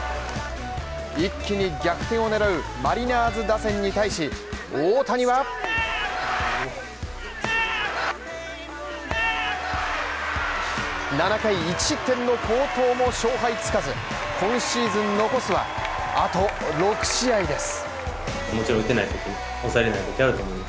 一気に逆転を狙うマリナーズ打線に対し大谷は７回１失点の好投も勝敗つかず今シーズン残すはあと６試合です。